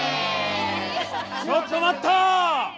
ちょっと待った！